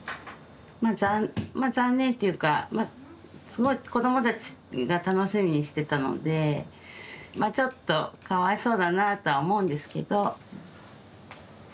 まあまあ残念っていうかまあすごい子どもたちが楽しみにしてたのでまあちょっとかわいそうだなあとは思うんですけど。